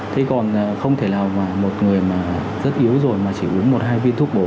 thế còn không thể là một người mà rất yếu rồi mà chỉ uống một hai viên thuốc bổ